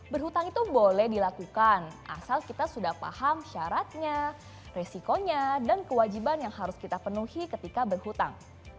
berhutang itu boleh dilakukan asal kita sudah paham syaratnya resikonya dan kewajiban yang harus kita penuhi ketika berhutang